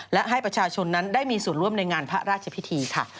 และให้ประชาชนนั้นได้มีส่วนร่วมในงานพระราชพิธีค่ะ